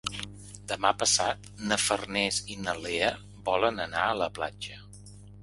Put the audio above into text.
Demà passat na Farners i na Lea volen anar a la platja.